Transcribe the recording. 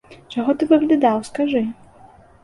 Чаго ты выглядаў, скажы?